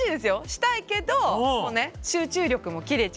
したいけど集中力も切れちゃうし。